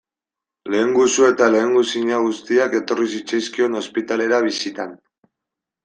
Lehengusu eta lehengusina guztiak etorri zitzaizkion ospitalera bisitan.